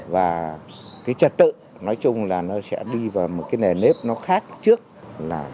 và cái trật tự nói chung là nó sẽ đi vào một cái nền nếp nó khác trước là